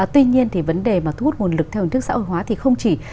tuy nhiên thì vấn đề mà thu hút nguồn lực theo hình thức xã hội hóa thì không chỉ